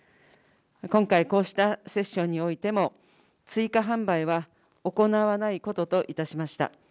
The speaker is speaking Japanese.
今回、こうしたセッションにおいても追加販売は行わないことといたしました。